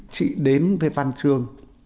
chị đến với văn chương